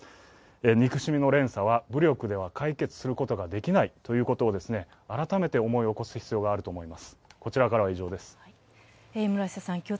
憎しみの連鎖は、武力では解決することができないということを改めて思い起こす必要があると思うんです。